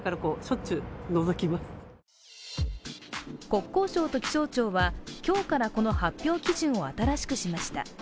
国交省と気象庁は今日からこの発表基準を新しくしました。